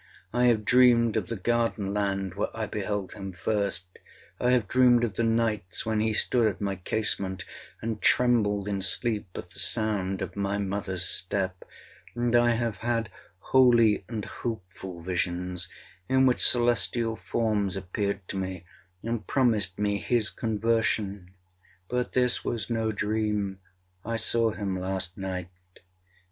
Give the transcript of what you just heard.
I have dreamed of the garden land where I beheld him first—I have dreamed of the nights when he stood at my casement, and trembled in sleep at the sound of my mother's step—and I have had holy and hopeful visions, in which celestial forms appeared to me, and promised me his conversion—but this was no dream—I saw him last night.